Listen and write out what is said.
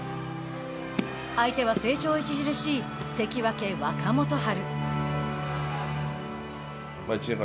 相手は成長著しい関脇・若元春。